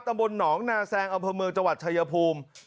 ตะบลหนองนาแซงอเจมส์จชายภูมิ